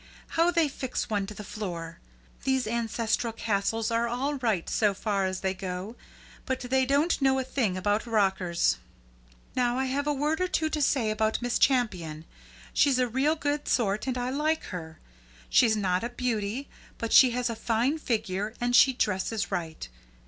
How they fix one to the floor! These ancestral castles are all right so far as they go, but they don't know a thing about rockers. Now I have a word or two to say about Miss Champion. She's a real good sort, and I like her. She's not a beauty; but she has a fine figure, and she dresses right.